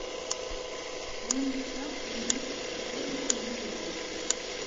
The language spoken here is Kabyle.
Am netta, am nekk, ur nḥemmel addal.